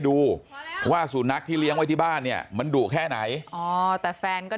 ดูว่าสุนัขที่เลี้ยงไว้ที่บ้านเนี่ยมันดุแค่ไหนอ๋อแต่แฟนก็